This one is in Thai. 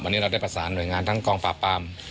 วันนี้เราได้ประสานหน่วยงานทั้งกองปราบปราม